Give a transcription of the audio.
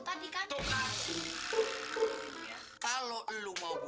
kalau elu mau buka koper